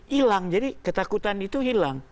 hilang jadi ketakutan itu hilang